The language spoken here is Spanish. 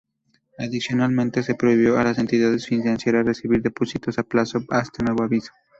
Adicionalmente se prohibió a las entidades financieras recibir depósitos a plazo hasta nuevo aviso.